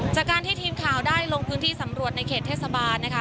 จากการที่ทีมข่าวได้ลงพื้นที่สำรวจในเขตเทศบาลนะคะ